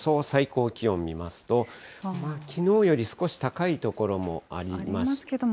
最高気温見ますと、きのうより少し高い所もありますが。